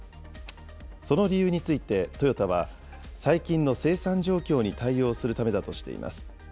その理由についてトヨタは、最近の生産状況に対応するためだとしています。